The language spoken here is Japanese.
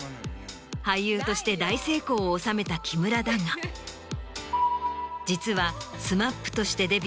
俳優として大成功を収めた木村だが実は。